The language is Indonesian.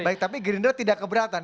baik tapi gerindra tidak keberatan